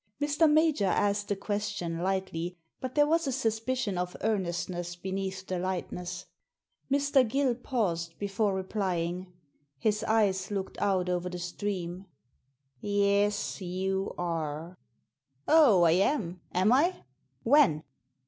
Mr. Major asked the question lightly — but there was a suspicion of earnestness beneath the lightness. Mr. Gill paused before replying. His eyes looked out over tiie stream. " Yes, you are." "Oh, lam, ami? When?"